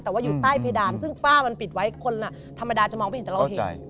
แต่ว่าอยู่ใต้เพดานซึ่งฝ้ามันปิดไว้คนธรรมดาจะมองไม่เห็นแต่เราเห็น